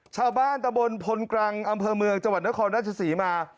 ชาวบ้านตะบนพลกรังอำเภอเมืองจังหวัดนครราชศรีมา